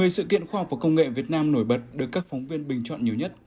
một mươi sự kiện khoa học và công nghệ việt nam nổi bật được các phóng viên bình chọn nhiều nhất